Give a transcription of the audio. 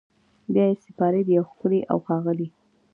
بیا یې سپاري د یو ښکلي اوښاغلي